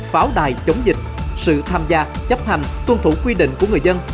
pháo đài chống dịch sự tham gia chấp hành tuân thủ quy định của người dân